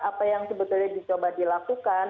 apa yang sebetulnya dicoba dilakukan